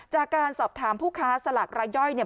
จากการสอบถามผู้ค้าสลากรายย่อยเนี่ย